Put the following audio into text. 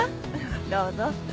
どうぞ。